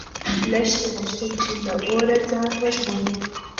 لښتې غوښتل چې له اوره ځان وژغوري.